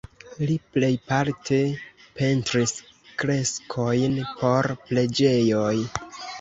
Li plejparte pentris freskojn por preĝejoj.